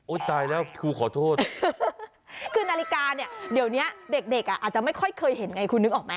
ตายแล้วครูขอโทษคือนาฬิกาเนี่ยเดี๋ยวนี้เด็กเด็กอ่ะอาจจะไม่ค่อยเคยเห็นไงคุณนึกออกไหม